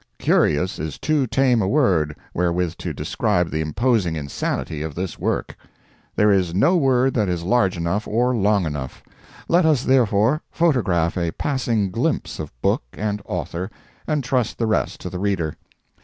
"Curious" is too tame a word wherewith to describe the imposing insanity of this work. There is no word that is large enough or long enough. Let us, therefore, photograph a passing glimpse of book and author, and trust the rest to the reader.